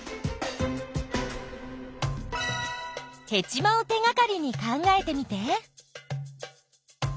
ヘチマを手がかりに考えてみて。